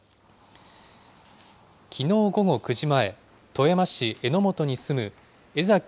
きのう午後９時前、富山市江本に住む江ざき